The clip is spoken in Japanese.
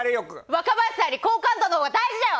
若林さんより好感度のほうが大事だよ！